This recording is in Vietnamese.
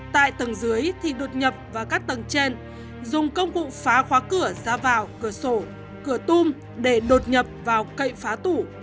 tại tầng dưới thì đột nhập vào các tầng trên dùng công cụ phá khóa cửa ra vào cửa sổ cửa tung để đột nhập vào cậy phá tủ